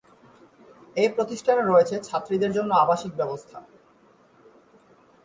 এ প্রতিষ্ঠানে রয়েছে ছাত্রীদের জন্য আবাসিক ব্যবস্থা।